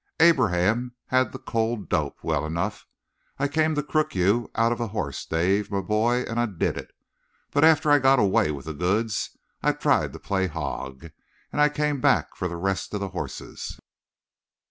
Abraham had the cold dope, well enough. I came to crook you out of a horse, Dave, my boy, and I did it. But after I'd got away with the goods I tried to play hog, and I came back for the rest of the horses."